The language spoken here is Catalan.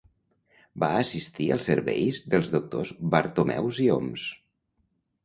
Va assistir als serveis dels doctors Bartomeus i Homs.